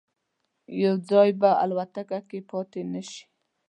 یو ځای به الوتکه کې پاتې نه شي.